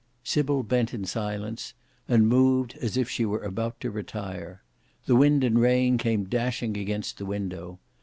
Sybil bent in silence, and moved as if she were about to retire: the wind and rain came dashing against the window.